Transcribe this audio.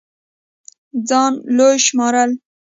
ځان لوے شمارل